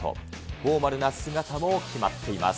フォーマルな姿も決まっています。